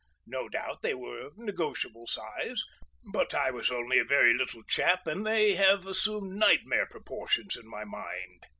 No doubt they were of negotiable size, but I was only a very little chap and they have assumed nightmare proportions in my mind.